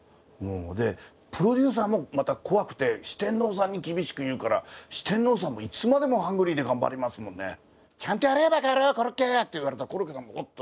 でプロデューサーもまた怖くて四天王さんに厳しく言うから四天王さんもいつまでもハングリーで頑張りますもんね。って言われたらコロッケさんもおっと。